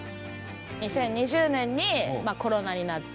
２０２０年にコロナになって。